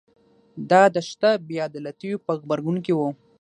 دا د شته بې عدالتیو په غبرګون کې و